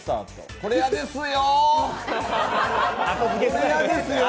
これ、嫌ですよ。